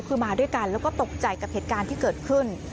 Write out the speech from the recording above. คือมาด้วยกันแล้วก็ตกใจกับเหตุการณ์ที่เกิดขึ้น